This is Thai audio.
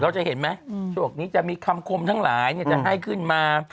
จะเห็นไหมช่วงนี้จะมีคำคมทั้งหลายจะให้ขึ้นมา